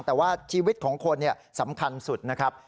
แต่ว่าชีวิตของคนสำคัญสุดนะครับ